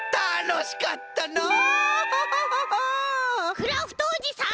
クラフトおじさん？